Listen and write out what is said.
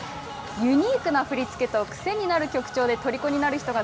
ユニークな振り付けと癖になる曲調でとりこになる人が